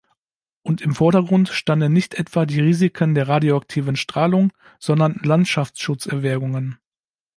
Und im Vordergrund standen nicht etwa die Risiken der radioaktiven Strahlung, sondern Landschaftsschutz-Erwägungen.